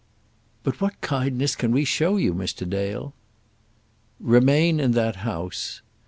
"But what kindness can we show you, Mr. Dale?" "Remain in that house."